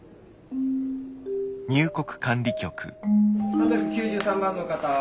３９３番の方。